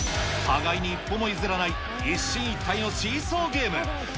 互いに一歩も譲らない一進一退のシーソーゲーム。